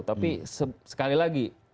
tapi sekali lagi